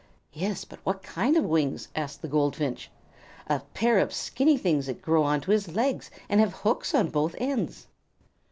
"Yes, but what kind of wings?" asked the Goldfinch. "A pair of skinny things that grow on to his legs and have hooks on both ends."